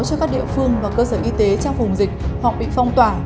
cho các địa phương và cơ sở y tế trong vùng dịch hoặc bị phong tỏa